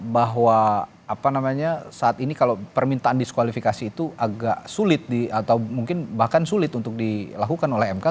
bahwa apa namanya saat ini kalau permintaan diskualifikasi itu agak sulit atau mungkin bahkan sulit untuk dilakukan oleh mk